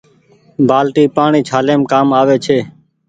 بآلٽي پآڻيٚ ڇآليم ڪآم آوي ڇي۔